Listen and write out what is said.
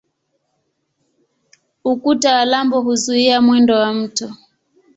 Ukuta wa lambo huzuia mwendo wa mto.